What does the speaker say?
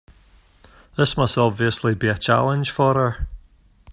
This must obviously be a challenge for her.